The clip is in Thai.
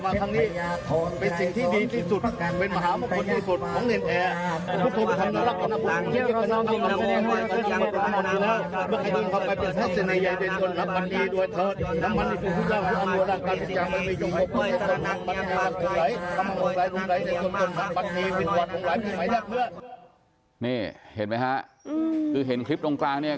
นี่เห็นไหมฮะคือเห็นคลิปตรงกลางเนี่ย